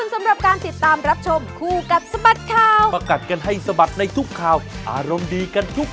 สวัสดีครับ